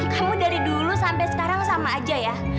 kamu dari dulu sampai sekarang sama aja ya